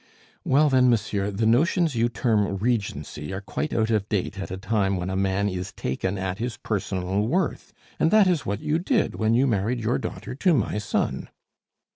"Well then, monsieur, the notions you term 'Regency' are quite out of date at a time when a man is taken at his personal worth; and that is what you did when you married your daughter to my son."